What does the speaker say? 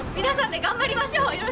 皆さんで頑張りましょう！